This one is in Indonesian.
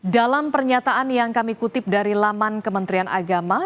dalam pernyataan yang kami kutip dari laman kementerian agama